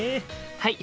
はい！